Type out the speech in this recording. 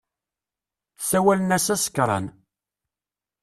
Ssawalen-as asekran.